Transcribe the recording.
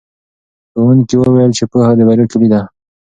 ښوونکي وویل چې پوهه د بریا کیلي ده.